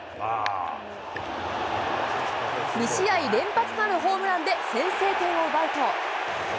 ２試合連発となるホームランで先制点を奪うと。